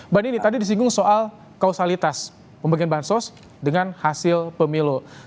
mbak nini tadi disinggung soal kausalitas pembagian bansos dengan hasil pemilu